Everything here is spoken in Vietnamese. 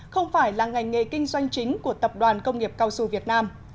không phải là ngành nghề kinh doanh chính của tập đoàn công nghiệp cao su việt nam